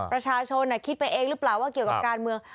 ประชาชนคิดไปเองหรือเปล่าว่าเกี่ยวกับการเมือง